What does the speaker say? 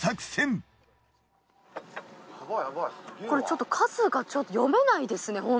これちょっと数が読めないですね